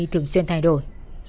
thường xuyên thay đổi